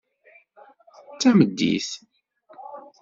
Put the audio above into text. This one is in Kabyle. D tameddit.